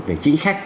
về chính sách